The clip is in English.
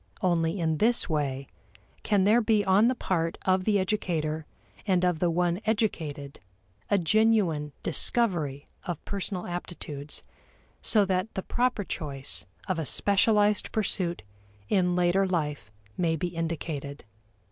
Only in this way can there be on the part of the educator and of the one educated a genuine discovery of personal aptitudes so that the proper choice of a specialized pursuit in later life may be indicated.